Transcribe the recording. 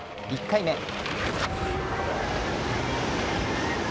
１回目。